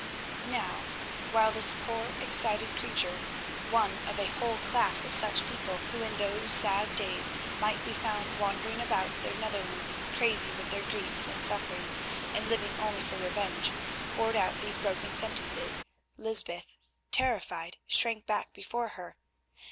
'" Now, while this poor excited creature, one of a whole class of such people who in those sad days might be found wandering about the Netherlands crazy with their griefs and sufferings, and living only for revenge, poured out these broken sentences, Lysbeth, terrified, shrank back before her.